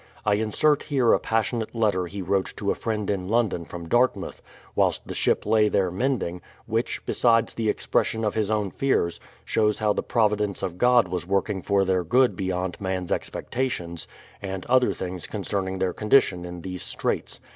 I insert here a passionate letter he wrote to a friend in London from Dartmouth, v/hilst the ship lay there mending, which, besides the expression of his own fears, shows how the providence of God was working for their good beyond man's expectations, and other things concerning their condition in these straits.